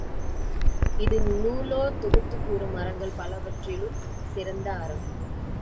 இது நூலோர் தொகுத்துக் கூறும் அறங்கள் பலவற்றிலும் சிறந்த அறம்.